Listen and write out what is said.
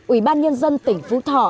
ủy ban nhân dân tỉnh phú thọ